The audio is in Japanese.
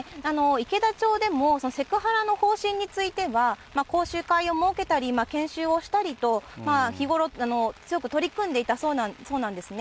池田町でもセクハラの方針については、講習会を設けたり、研修をしたりと、日頃、強く取り組んでいたそうなんですね。